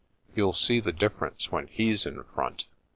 You'll see the difference when he's in front."